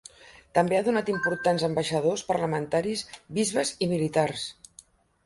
També ha donat importants ambaixadors, parlamentaris, bisbes i militars.